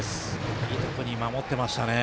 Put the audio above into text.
いいところに守ってましたね。